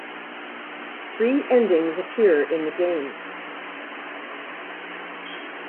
Three endings appear in the game.